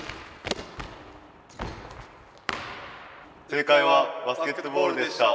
正解はバスケットボールでした。